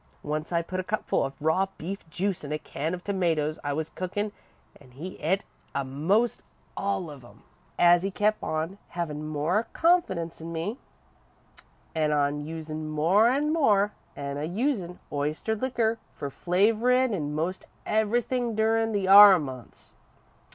Once I put a cupful of raw beef juice in a can of tomatoes I was cookin' and he et a'most all of 'em. "As he kep' on havin' more confidence in me, I kep' on usin' more an' more, an' a usin' oyster liquor for flavourin' in most everything durin' the R months.